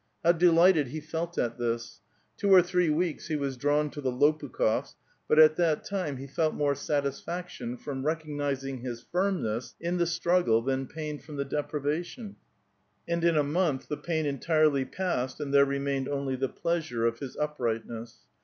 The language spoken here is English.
How delighted he felt at this ! Two or three weeks he was drawn to tlie Lopukh6fs ; but at that time he felt more satisfaction from recognizing his fn*mness in the struggle than pain from the deprivation, and in a month the pain entirely passed, and there remained only the pleasure of his uprightness.